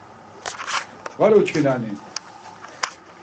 Var uçkinani.